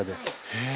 へえ。